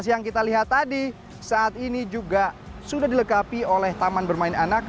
yang kita lihat tadi saat ini juga sudah dilengkapi oleh taman bermain anak